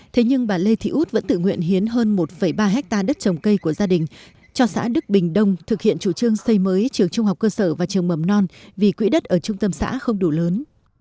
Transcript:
thế nhưng bà lê thị út vẫn tự nguyện hiến hơn một ba hectare đất trồng cây của gia đình cho xã đức bình đông thực hiện chủ trương xây mới trường trung học cơ sở và trường mầm non vì quỹ đất ở trung tâm xã không đủ lớn